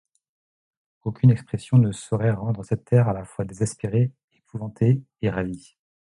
Aucune expression ne saurait rendre cet air à la fois désespéré, épouvanté et ravi.